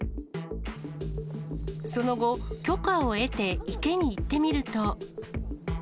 その後、許可を得て池に行ってみると。